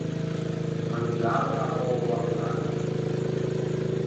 Un mandillâ o gh’à arröbou a collaña.